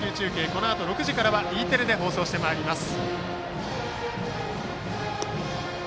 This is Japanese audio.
このあと６時からはＥテレで放送します。